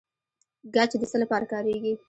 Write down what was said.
ګچ د څه لپاره کاریږي؟